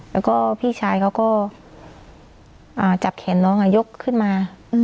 แล้วก็พิชายก็แล้วก็จะแขนน้องยกขึ้นมา